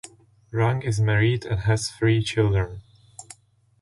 Rung is married and has three children.